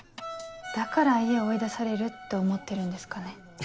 だから家を追い出されるって思ってるんですかね。